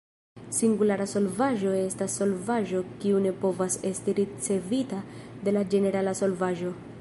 Singulara solvaĵo estas solvaĵo kiu ne povas esti ricevita de la ĝenerala solvaĵo.